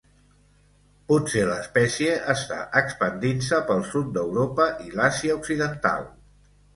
Potser l'espècie està expandint-se pel sud d'Europa i l'Àsia occidental.